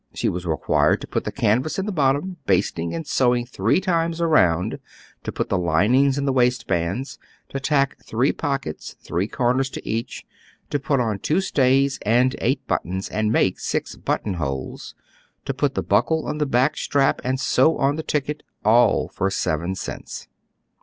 She was required to put the canvas in the bottom, basting and sew ing three times aronnd ; to put the linings in the waist bands ; to tack three pockets, three comers to each ; to put on two stays and eight buttons, and make six button holes ; to put the buckle on the back strap and sew on the ticket, ail for seven cents."